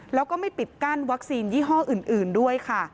แล้วก็ไม่ปิดกั้นวัคซีนยี่ห้ออื่นด้วยค่ะ